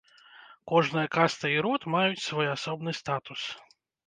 Кожная каста і род маюць свой асобны статус.